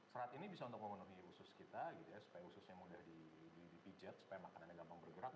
serat ini bisa untuk memenuhi usus kita gitu ya supaya ususnya mudah dipijat supaya makanannya gampang bergerak